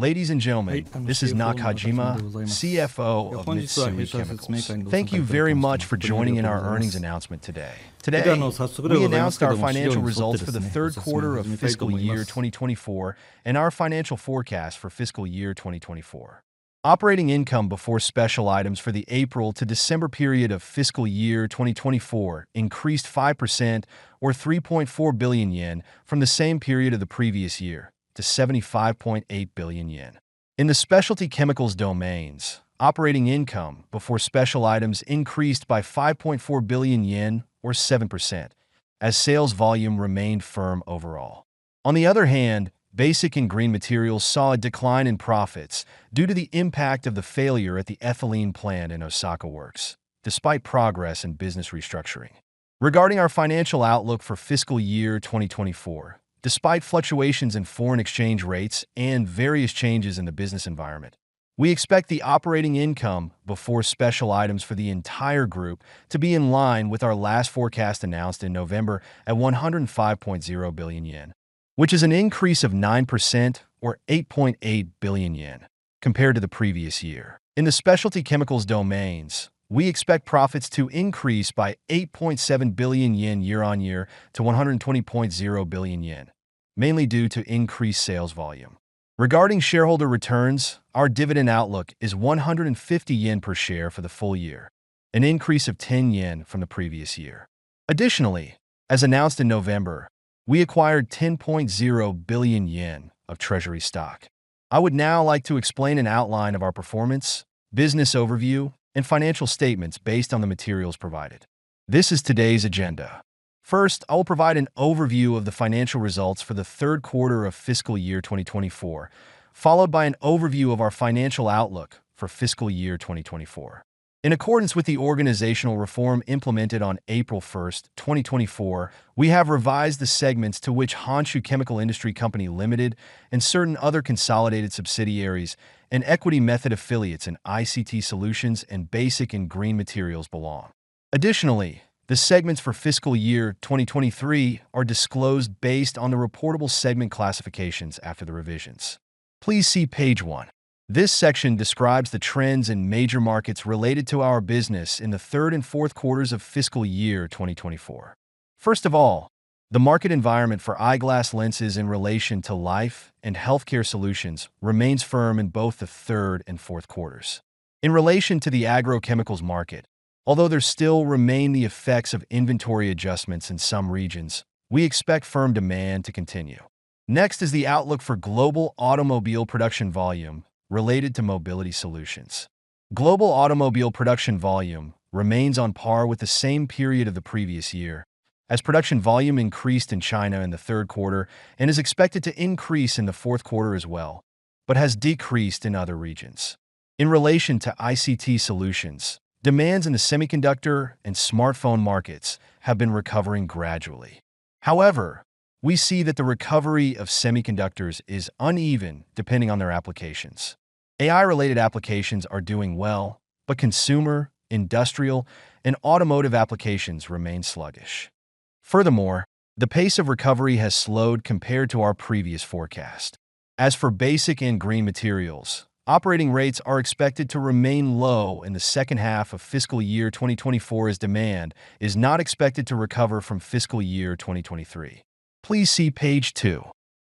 Ladies and gentlemen, this is Nakajima, CFO of Mitsui Chemicals. Thank you very much for joining in our earnings announcement today. Today, we announced our Financial Results for the Third Quarter of Fiscal Year 2024 and our Financial Forecast for Fiscal Year 2024. Operating income before special items for the April to December period of fiscal year 2024 increased 5%, or 3.4 billion yen from the same period of the previous year, to 75.8 billion yen. In the Specialty Chemicals Domains, operating income before special items increased by 5.4 billion yen, or 7%, as sales volume remained firm overall. On the other hand, Basic & Green Materials saw a decline in profits due to the impact of the failure at the ethylene plant in Osaka Works, despite progress in business restructuring. Regarding our financial outlook for fiscal year 2024, despite fluctuations in foreign exchange rates and various changes in the business environment, we expect the operating income before special items for the entire group to be in line with our last forecast announced in November at ¥105.0 billion, which is an increase of 9%, or ¥8.8 billion, compared to the previous year. In the Specialty Chemicals Domains, we expect profits to increase by ¥8.7 billion year-on-year to ¥120.0 billion, mainly due to increased sales volume. Regarding shareholder returns, our dividend outlook is ¥150 per share for the full year, an increase of ¥10 from the previous year. Additionally, as announced in November, we acquired ¥10.0 billion of Treasury stock. I would now like to explain an outline of our performance, business overview, and financial statements based on the materials provided. This is today's agenda. First, I will provide an overview of the financial results for the third quarter of fiscal year 2024, followed by an overview of our financial outlook for fiscal year 2024. In accordance with the organizational reform implemented on April 1, 2024, we have revised the segments to which Honshu Chemical Industry Co., Ltd. and certain other consolidated subsidiaries and Equity Method affiliates in ICT Solutions and Basic & Green Materials belong. Additionally, the segments for fiscal year 2023 are disclosed based on the reportable segment classifications after the revisions. Please see page 1. This section describes the trends in major markets related to our business in the third and fourth quarters of fiscal year 2024. First of all, the market environment for eyeglass lenses in relation to Life & Healthcare Solutions remains firm in both the third and fourth quarters. In relation to the agrochemicals market, although there still remain the effects of inventory adjustments in some regions, we expect firm demand to continue. Next is the outlook for global automobile production volume related to Mobility Solutions. Global automobile production volume remains on par with the same period of the previous year, as production volume increased in China in the third quarter and is expected to increase in the fourth quarter as well, but has decreased in other regions. In relation to ICT Solutions, demands in the semiconductor and smartphone markets have been recovering gradually. However, we see that the recovery of semiconductors is uneven depending on their applications. AI-related applications are doing well, but consumer, industrial, and automotive applications remain sluggish. Furthermore, the pace of recovery has slowed compared to our previous forecast. As for Basic & Green Materials, operating rates are expected to remain low in the second half of fiscal year 2024 as demand is not expected to recover from fiscal year 2023. Please see page 2.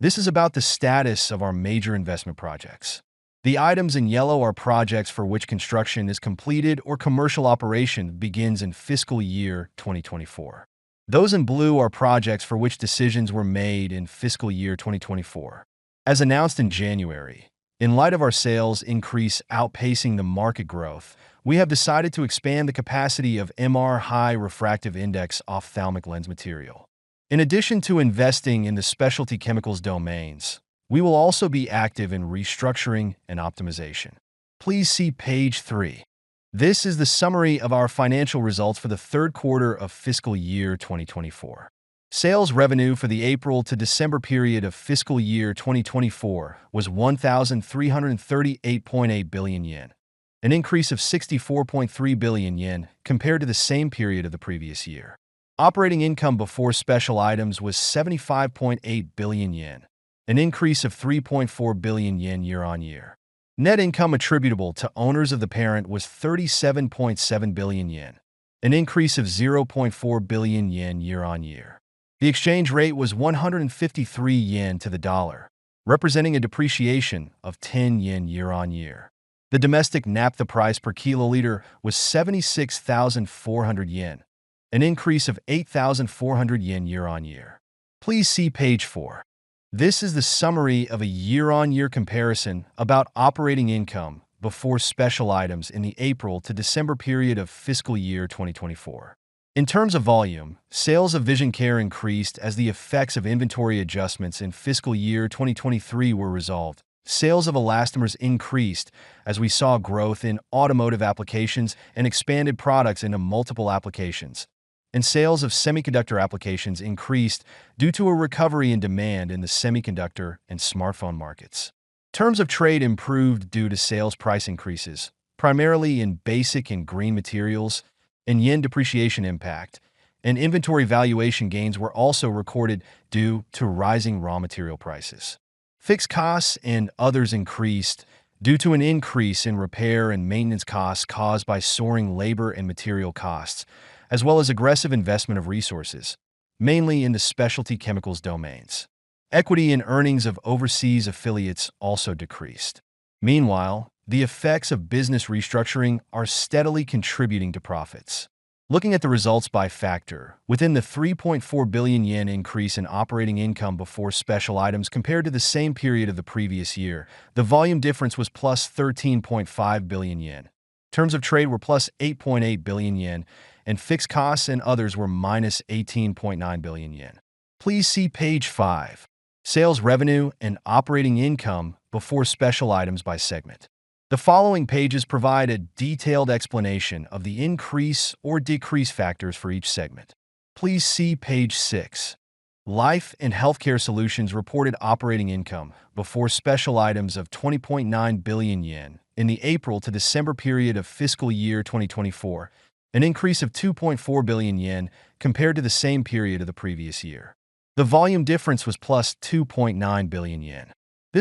This is about the status of our major investment projects. The items in yellow are projects for which construction is completed or commercial operation begins in fiscal year 2024. Those in blue are projects for which decisions were made in fiscal year 2024. As announced in January, in light of our sales increase outpacing the market growth, we have decided to expand the capacity of MR High Refractive Index Ophthalmic Lens Material. In addition to investing in the Specialty Chemicals domains, we will also be active in restructuring and optimization. Please see page 3. This is the summary of our financial results for the third quarter of fiscal year 2024. Sales revenue for the April to December period of fiscal year 2024 was ¥1,338.8 billion, an increase of ¥64.3 billion compared to the same period of the previous year. Operating income before special items was ¥75.8 billion, an increase of ¥3.4 billion year-on-year. Net income attributable to owners of the parent was ¥37.7 billion, an increase of ¥0.4 billion year-on-year. The exchange rate was ¥153 to the dollar, representing a depreciation of ¥10 year-on-year. The domestic naphtha price per kiloliter was ¥76,400, an increase of ¥8,400 year-on-year. Please see page 4. This is the summary of a year-on-year comparison about operating income before special items in the April to December period of fiscal year 2024. In terms of volume, sales of Vision Care increased as the effects of inventory adjustments in fiscal year 2023 were resolved. Sales of elastomers increased as we saw growth in automotive applications and expanded products into multiple applications, and sales of semiconductor applications increased due to a recovery in demand in the semiconductor and smartphone markets. Terms of trade improved due to sales price increases, primarily in Basic & Green Materials, and yen depreciation impact, and inventory valuation gains were also recorded due to rising raw material prices. Fixed costs and others increased due to an increase in repair and maintenance costs caused by soaring labor and material costs, as well as aggressive investment of resources, mainly in the Specialty Chemicals Domains. Equity and earnings of overseas affiliates also decreased. Meanwhile, the effects of business restructuring are steadily contributing to profits. Looking at the results by factor, within the ¥3.4 billion increase in operating income before special items compared to the same period of the previous year, the volume difference was ¥13.5 billion. Terms of trade were ¥8.8 billion, and fixed costs and others were ¥18.9 billion. Please see page 5. Sales revenue and operating income before special items by segment. The following pages provide a detailed explanation of the increase or decrease factors for each segment. Please see page 6. Life & Healthcare Solutions reported operating income before special items of ¥20.9 billion in the April to December period of fiscal year 2024, an increase of ¥2.4 billion compared to the same period of the previous year. The volume difference was ¥2.9 billion. This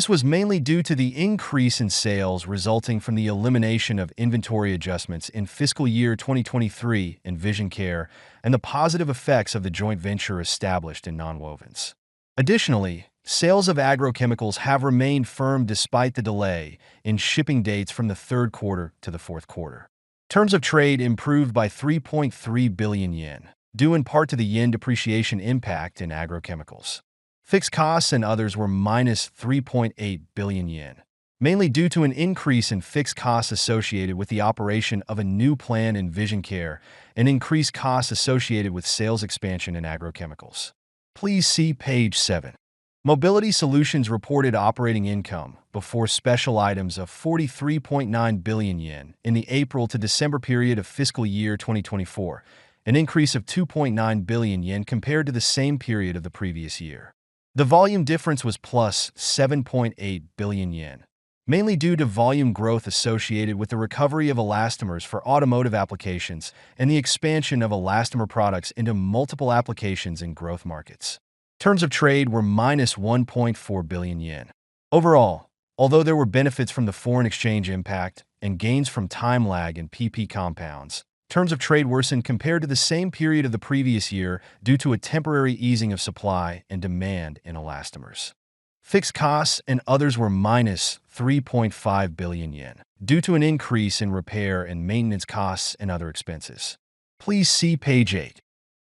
was mainly due to the increase in sales resulting from the elimination of inventory adjustments in fiscal year 2023 in vision care and the positive effects of the joint venture established in Nonwovens. Additionally, sales of agrochemicals have remained firm despite the delay in shipping dates from the third quarter to the fourth quarter. Terms of trade improved by 3.3 billion yen, due in part to the yen depreciation impact in agrochemicals. Fixed costs and others were 3.8 billion yen, mainly due to an increase in fixed costs associated with the operation of a new plant in vision care and increased costs associated with sales expansion in agrochemicals. Please see page 7. Mobility Solutions reported operating income before special items of 43.9 billion yen in the April to December period of fiscal year 2024, an increase of 2.9 billion yen compared to the same period of the previous year. The volume difference was 7.8 billion yen, mainly due to volume growth associated with the recovery of elastomers for automotive applications and the expansion of elastomer products into multiple applications in growth markets. Terms of trade were 1.4 billion yen. Overall, although there were benefits from the foreign exchange impact and gains from time lag in PP compounds, terms of trade worsened compared to the same period of the previous year due to a temporary easing of supply and demand in elastomers. Fixed costs and others were 3.5 billion yen, due to an increase in repair and maintenance costs and other expenses. Please see page 8.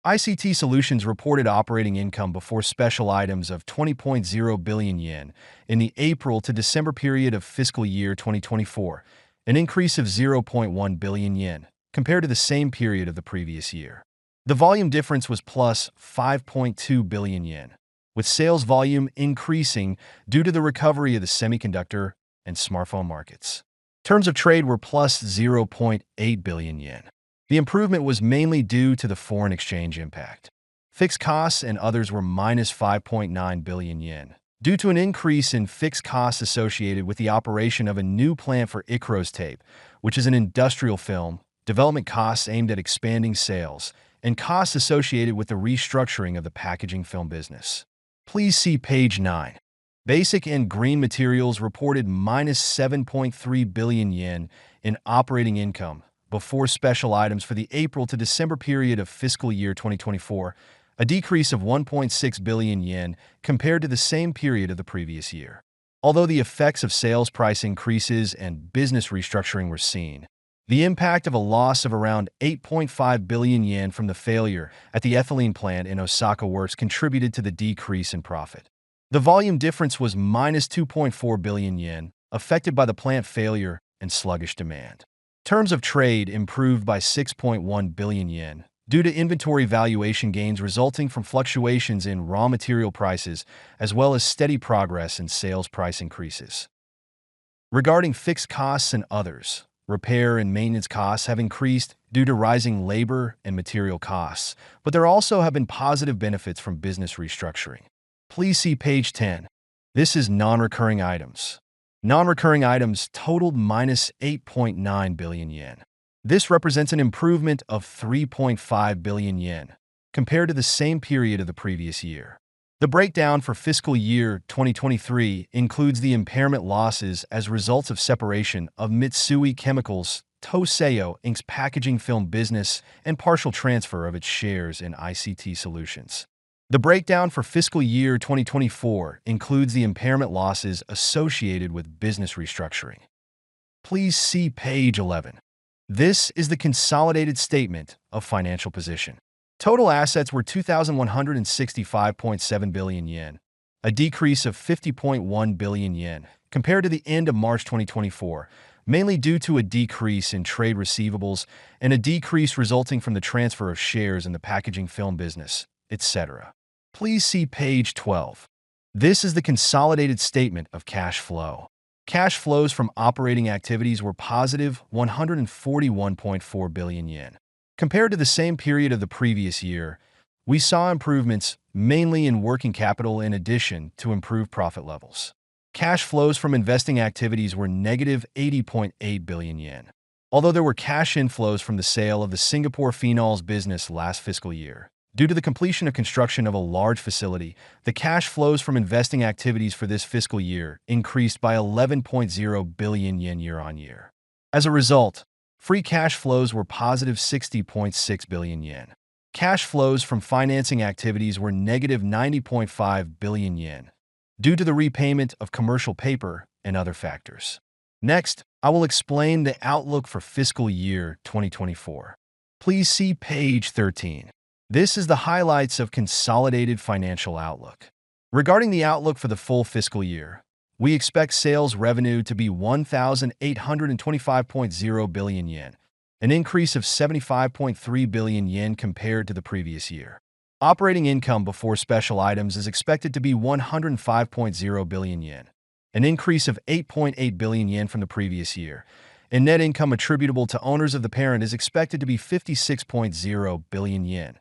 ICT Solutions reported operating income before special items of 20.0 billion yen in the April to December period of fiscal year 2024, an increase of 0.1 billion yen, compared to the same period of the previous year. The volume difference was ¥5.2 billion, with sales volume increasing due to the recovery of the semiconductor and smartphone markets. Terms of trade were ¥0.8 billion. The improvement was mainly due to the foreign exchange impact. Fixed costs and others were ¥5.9 billion, due to an increase in fixed costs associated with the operation of a new plant for ICROS Tape, which is an industrial film development costs aimed at expanding sales, and costs associated with the restructuring of the packaging film business. Please see page 9. Basic & Green Materials reported ¥7.3 billion in operating income before special items for the April to December period of fiscal year 2024, a decrease of ¥1.6 billion compared to the same period of the previous year. Although the effects of sales price increases and business restructuring were seen, the impact of a loss of around 8.5 billion yen from the failure at the ethylene plant in Osaka Works contributed to the decrease in profit. The volume difference was 2.4 billion yen, affected by the plant failure and sluggish demand. Terms of trade improved by 6.1 billion yen, due to inventory valuation gains resulting from fluctuations in raw material prices as well as steady progress in sales price increases. Regarding fixed costs and others, repair and maintenance costs have increased due to rising labor and material costs, but there also have been positive benefits from business restructuring. Please see page 10. This is non-recurring items. Non-recurring items totaled 8.9 billion yen. This represents an improvement of 3.5 billion yen, compared to the same period of the previous year. The breakdown for fiscal year 2023 includes the impairment losses as a result of separation of Mitsui Chemicals Tohcello, Inc.'s packaging film business and partial transfer of its shares in ICT Solutions. The breakdown for fiscal year 2024 includes the impairment losses associated with business restructuring. Please see page 11. This is the consolidated statement of financial position. Total assets were 2,165.7 billion yen, a decrease of 50.1 billion yen compared to the end of March 2024, mainly due to a decrease in trade receivables and a decrease resulting from the transfer of shares in the packaging film business, etc. Please see page 12. This is the consolidated statement of cash flow. Cash flows from operating activities were positive 141.4 billion yen. Compared to the same period of the previous year, we saw improvements mainly in working capital in addition to improved profit levels. Cash flows from investing activities were negative 80.8 billion yen. Although there were cash inflows from the sale of the Singapore Phenols business last fiscal year, due to the completion of construction of a large facility, the cash flows from investing activities for this fiscal year increased by ¥11.0 billion year-on-year. As a result, free cash flows were positive ¥60.6 billion. Cash flows from financing activities were negative ¥90.5 billion, due to the repayment of commercial paper and other factors. Next, I will explain the outlook for fiscal year 2024. Please see page 13. This is the highlights of consolidated financial outlook. Regarding the outlook for the full fiscal year, we expect sales revenue to be ¥1,825.0 billion, an increase of ¥75.3 billion compared to the previous year. Operating income before special items is expected to be ¥105.0 billion, an increase of ¥8.8 billion from the previous year, and net income attributable to owners of the parent is expected to be ¥56.0 billion,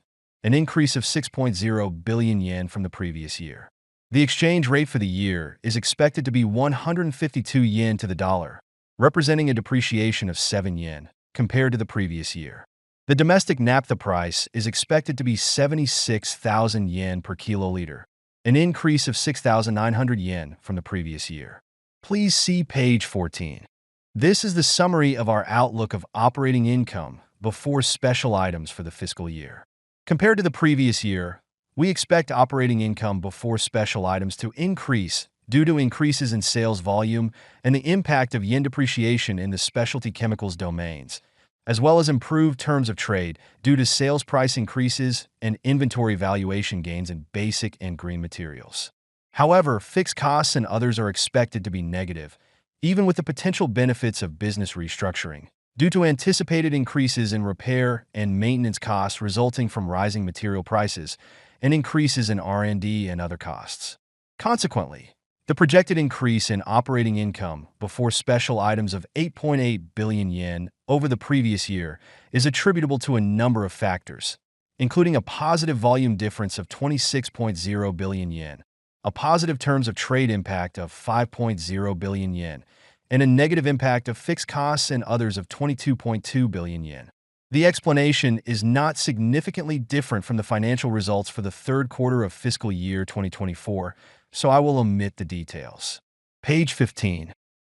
an increase of ¥6.0 billion from the previous year. The exchange rate for the year is expected to be ¥152 to the dollar, representing a depreciation of ¥7 compared to the previous year. The domestic naphtha price is expected to be ¥76,000 per kiloliter, an increase of ¥6,900 from the previous year. Please see page 14. This is the summary of our outlook of operating income before special items for the fiscal year. Compared to the previous year, we expect operating income before special items to increase due to increases in sales volume and the impact of yen depreciation in the Specialty Chemicals domains, as well as improved terms of trade due to sales price increases and inventory valuation gains in Basic & Green Materials. However, fixed costs and others are expected to be negative, even with the potential benefits of business restructuring, due to anticipated increases in repair and maintenance costs resulting from rising material prices and increases in R&D and other costs. Consequently, the projected increase in operating income before special items of ¥8.8 billion over the previous year is attributable to a number of factors, including a positive volume difference of ¥26.0 billion, a positive terms of trade impact of ¥5.0 billion, and a negative impact of fixed costs and others of ¥22.2 billion. The explanation is not significantly different from the financial results for the third quarter of fiscal year 2024, so I will omit the details. Page 15.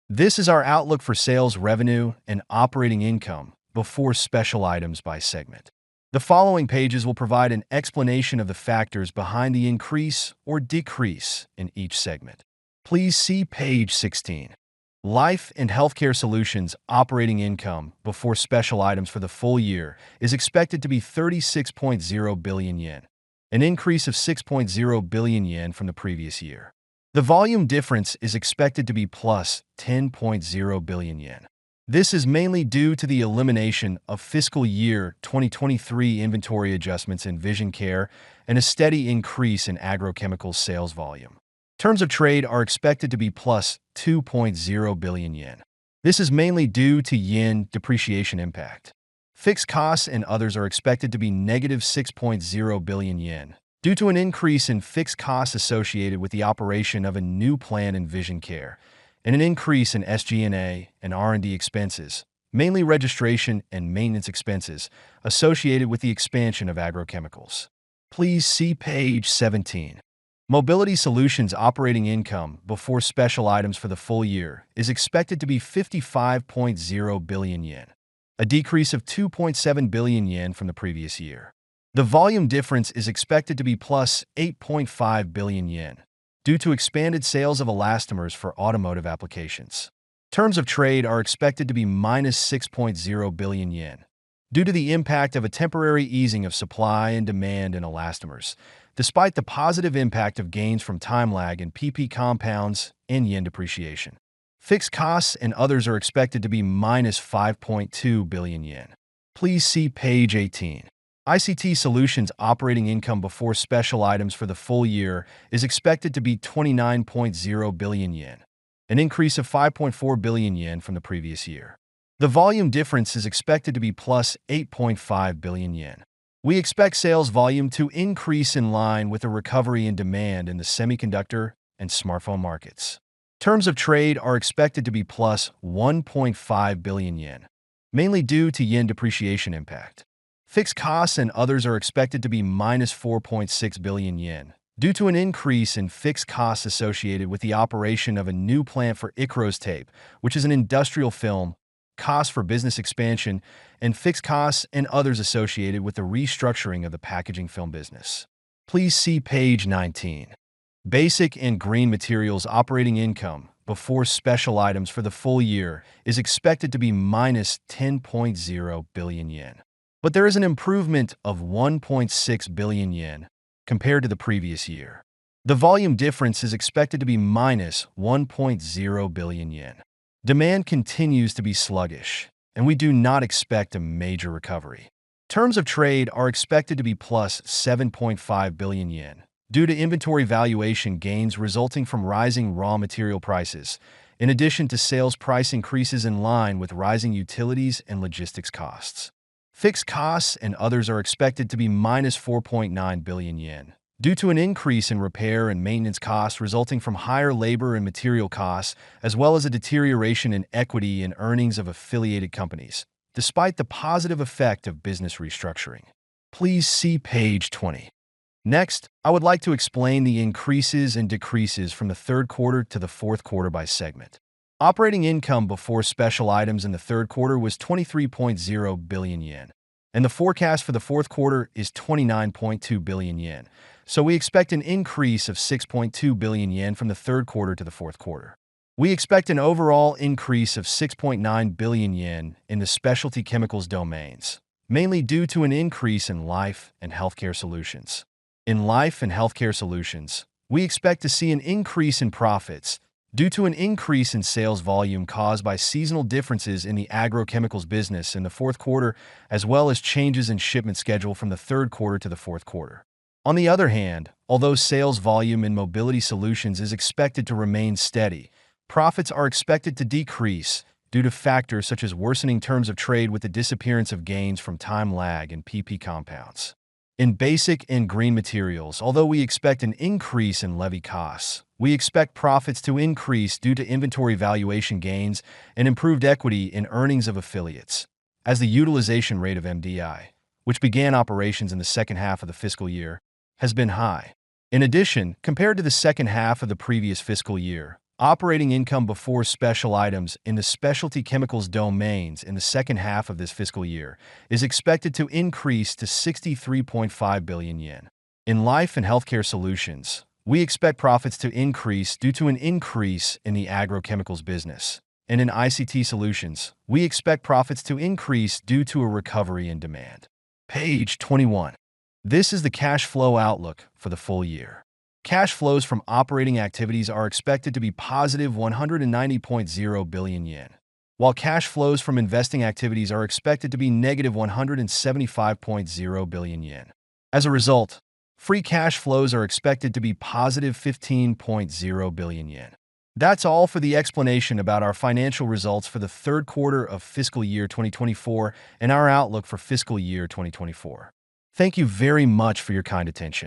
This is our outlook for sales revenue and operating income before special items by segment. The following pages will provide an explanation of the factors behind the increase or decrease in each segment. Please see page 16. Life & Healthcare Solutions operating income before special items for the full year is expected to be 36.0 billion yen, an increase of 6.0 billion yen from the previous year. The volume difference is expected to be 10.0 billion yen. This is mainly due to the elimination of fiscal year 2023 inventory adjustments in vision care and a steady increase in agrochemicals sales volume. Terms of trade are expected to be 2.0 billion yen. This is mainly due to yen depreciation impact. Fixed costs and others are expected to be negative ¥6.0 billion, due to an increase in fixed costs associated with the operation of a new plant in vision care and an increase in SG&A and R&D expenses, mainly registration and maintenance expenses associated with the expansion of agrochemicals. Please see page 17. Mobility Solutions operating income before special items for the full year is expected to be ¥55.0 billion, a decrease of ¥2.7 billion from the previous year. The volume difference is expected to be ¥8.5 billion, due to expanded sales of elastomers for automotive applications. Terms of trade are expected to be ¥6.0 billion, due to the impact of a temporary easing of supply and demand in elastomers, despite the positive impact of gains from time lag in PP compounds and yen depreciation. Fixed costs and others are expected to be ¥5.2 billion. Please see page 18. ICT Solutions operating income before special items for the full year is expected to be 29.0 billion yen, an increase of 5.4 billion yen from the previous year. The volume difference is expected to be 8.5 billion yen. We expect sales volume to increase in line with the recovery in demand in the semiconductor and smartphone markets. Terms of trade are expected to be 1.5 billion yen, mainly due to yen depreciation impact. Fixed costs and others are expected to be 4.6 billion yen, due to an increase in fixed costs associated with the operation of a new plant for ICROS Tape, which is an industrial film, costs for business expansion, and fixed costs and others associated with the restructuring of the packaging film business. Please see page 19. Basic & Green Materials operating income before special items for the full year is expected to be 10.0 billion yen, but there is an improvement of 1.6 billion yen compared to the previous year. The volume difference is expected to be 1.0 billion yen. Demand continues to be sluggish, and we do not expect a major recovery. Terms of trade are expected to be 7.5 billion yen, due to inventory valuation gains resulting from rising raw material prices, in addition to sales price increases in line with rising utilities and logistics costs. Fixed costs and others are expected to be 4.9 billion yen, due to an increase in repair and maintenance costs resulting from higher labor and material costs, as well as a deterioration in equity and earnings of affiliated companies, despite the positive effect of business restructuring. Please see page 20. Next, I would like to explain the increases and decreases from the third quarter to the fourth quarter by segment. Operating income before special items in the third quarter was 23.0 billion yen, and the forecast for the fourth quarter is 29.2 billion yen, so we expect an increase of 6.2 billion yen from the third quarter to the fourth quarter. We expect an overall increase of 6.9 billion yen in the Specialty Chemicals Domains, mainly due to an increase in Life & Healthcare Solutions. In Life & Healthcare Solutions, we expect to see an increase in profits due to an increase in sales volume caused by seasonal differences in the agrochemicals business in the fourth quarter, as well as changes in shipment schedule from the third quarter to the fourth quarter. On the other hand, although sales volume in Mobility Solutions is expected to remain steady, profits are expected to decrease due to factors such as worsening terms of trade with the disappearance of gains from time lag in PP compounds. In basic and green materials, although we expect an increase in levy costs, we expect profits to increase due to inventory valuation gains and improved equity and earnings of affiliates, as the utilization rate of MDI, which began operations in the second half of the fiscal year, has been high. In addition, compared to the second half of the previous fiscal year, operating income before special items in the Specialty Chemicals Domains in the second half of this fiscal year is expected to increase to ¥63.5 billion. In Life & Healthcare Solutions, we expect profits to increase due to an increase in the agrochemicals business, and in ICT Solutions, we expect profits to increase due to a recovery in demand. Page 21. This is the cash flow outlook for the full year. Cash flows from operating activities are expected to be ¥190.0 billion, while cash flows from investing activities are expected to be ¥175.0 billion. As a result, free cash flows are expected to be ¥15.0 billion. That's all for the explanation about our financial results for the third quarter of fiscal year 2024 and our outlook for fiscal year 2024. Thank you very much for your kind attention.